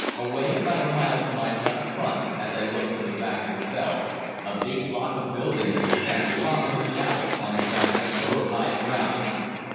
Away about a mile to my left front as I look from the back of the Bell a big block of buildings stands prominently out on a grassy spur of high ground.